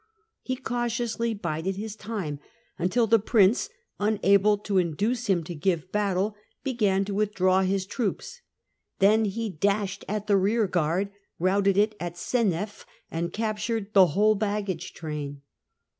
He cautiously bided Flanders. his time until the Prince, unable to induce him Seneff° f to £* ve battle, began to withdraw his troops ; August n, then he dashed at the rearguard, routed it at x674 ' Seneff, and captured the whole baggage train.